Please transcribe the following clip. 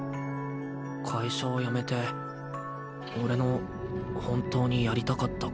会社を辞めて俺の本当にやりたかったこと。